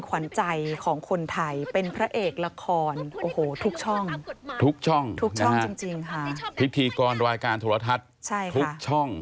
ไม่ได้ไปนานแต่ผมก็มีความสุขที่ได้รักคุณ